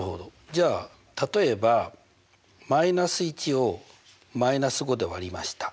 じゃあ例えば−１を−５で割りました。